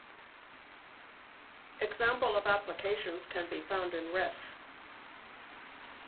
Example of applications can be found in Ref.